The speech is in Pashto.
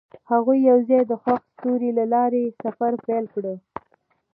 هغوی یوځای د خوښ ستوري له لارې سفر پیل کړ.